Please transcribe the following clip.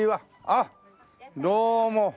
あっどうも。